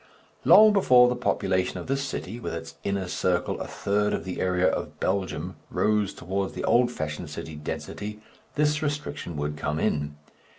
Long before the population of this city, with its inner circle a third of the area of Belgium, rose towards the old fashioned city density, this restriction would come in.